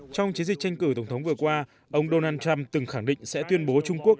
trong chiến dịch tranh cử tổng thống vừa qua ông donald trump từng khẳng định sẽ tuyên bố trung quốc